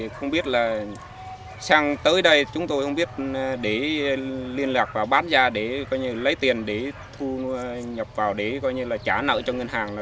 không biết là sang tới đây chúng tôi không biết để liên lạc vào bán gia để lấy tiền để thu nhập vào để trả nợ cho ngân hàng